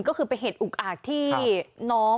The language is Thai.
ก็คือเป็นเหตุอุกอาจที่น้อง